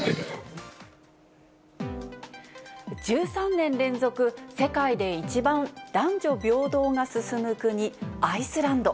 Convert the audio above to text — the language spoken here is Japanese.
１３年連続世界で一番男女平等が進む国、アイスランド。